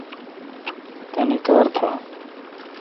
تانی کار تھا۔